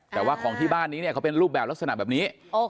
แต่ว่าของที่บ้านนี้เนี่ยเขาเป็นรูปแบบลักษณะแบบนี้